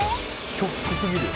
ショックすぎる。